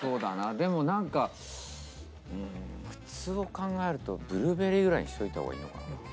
でもなんかそう考えるとブルーベリーぐらいにしといた方がいいのかな？